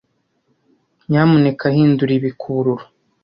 Nyamuneka hindura ibi kubururu.